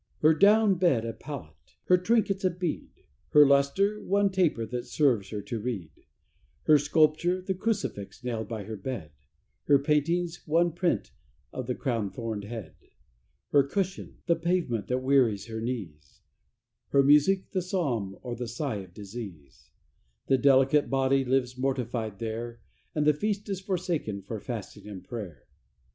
Her down bed a pallet her trinkets a bead, Her lustre one taper that serves her to read; Her sculpture the crucifix nailed by her bed; Her paintings one print of the crown thorned head; Her cushion the pavement that wearies her knees; Her music the Psalm or the sigh of disease; The delicate body lives mortified there, And the feast is forsaken for fasting and prayer.